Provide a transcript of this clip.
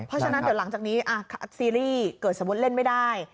เพราะฉะนั้นเดี๋ยวหลังจากนี้ซีรีส์เกิดสมมุติเล่นไม่ได้